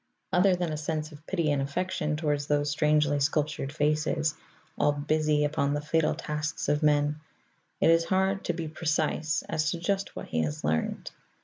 Other than a sense of pity and affection toward those strangely sculptured faces, all busy upon the fatal tasks of men, it is hard to be precise as to just what he has learned.